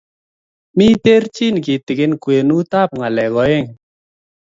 mi terchinet kitikin kwenutab ng'alek oeng